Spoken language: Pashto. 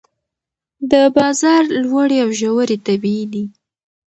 د بازار لوړې او ژورې طبیعي دي.